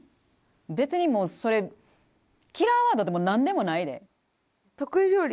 別にもうそれキラーワードでもなんでもないで。